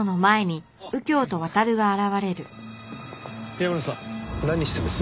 山野さん何してるんです？